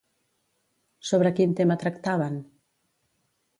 Sobre quin tema tractaven?